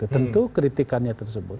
tentu kritikannya tersebut